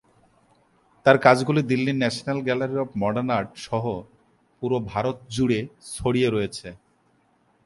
তাঁর কাজগুলি দিল্লির national gallery of modern art সহ পুরো ভারত জুড়ে ছড়িয়ে রয়েছে।